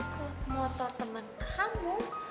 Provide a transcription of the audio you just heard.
klub motor teman kamu